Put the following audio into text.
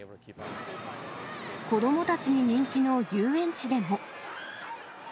子どもたちに人気の遊園地でも。